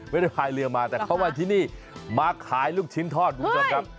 พายเรือมาแต่เขามาที่นี่มาขายลูกชิ้นทอดคุณผู้ชมครับ